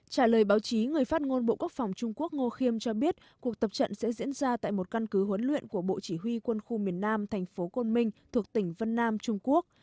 trả lời báo chí người phát ngôn bộ quốc phòng trung quốc ngô khiêm cho biết cuộc tập trận sẽ diễn ra tại một căn cứ huấn luyện của bộ chỉ huy quân khu miền nam thành phố côn minh thuộc tỉnh vân nam trung quốc